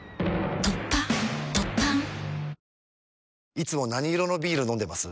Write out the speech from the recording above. いつも何色のビール飲んでます？